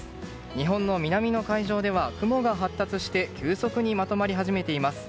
日本の南の海上では雲が発達して急速にまとまり始めています。